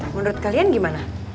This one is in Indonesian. menurut kalian gimana